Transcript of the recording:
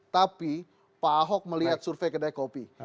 tapi pak ahok melihat survei kedai kopi